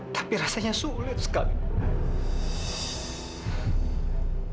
tapi rasanya sulit sekali